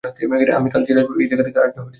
আমি কাল আবার আসব এই জায়গা ছেড়ে কোথাও যাবেননা।